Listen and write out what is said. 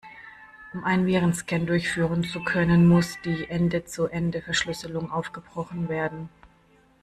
Um einen Virenscan durchführen zu können, muss die Ende-zu-Ende-Verschlüsselung aufgebrochen werden.